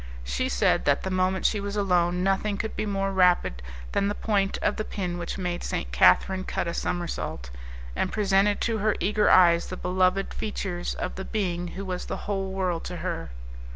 She said that the moment she was alone nothing could be more rapid than the point of the pin which made St. Catherine cut a somersault, and presented to her eager eyes the beloved features of the being who was the whole world to her.